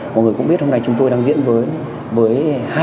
mọi người cũng biết hôm nay chúng tôi đang diễn với